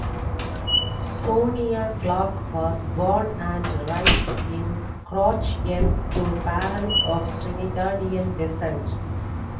Sonia Clarke was born and raised in Crouch End to parents of Trinidadian descent.